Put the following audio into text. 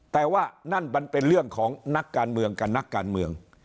แต่ว่านั่นมันเป็นเรื่องของนักการเมืองกับนักการเมือง